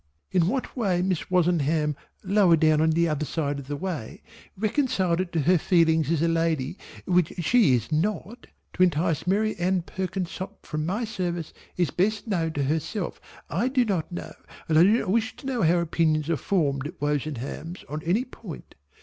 In what way Miss Wozenham lower down on the other side of the way reconciled it to her feelings as a lady (which she is not) to entice Mary Anne Perkinsop from my service is best known to herself, I do not know and I do not wish to know how opinions are formed at Wozenham's on any point.